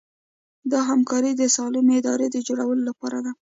دا همکاري د سالمې ادارې د جوړولو لپاره ده.